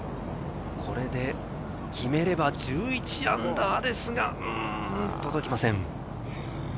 これで決めれば−１１ですが届きません。